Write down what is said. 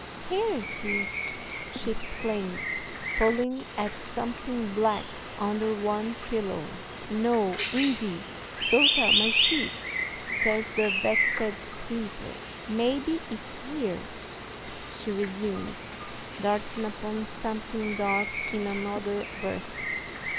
"Here it is," she exclaims, pulling at something black under one pillow. "No, indeed, those are my shoes," says the vexed sleeper. "Maybe it's here," she resumes, darting upon something dark in another berth.